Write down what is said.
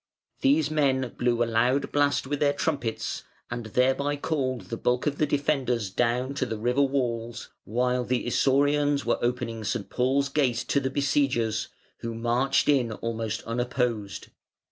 These men blew a loud blast with their trumpets, and thereby called the bulk of the defenders down to the river walls, while the Isaurians were opening St. Paul's Gate to the besiegers, who marched in almost unopposed.